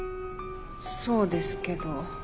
そうですけど。